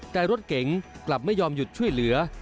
แต่รถเก๋งกลับไม่ยอมหยุดช่วยเหลือ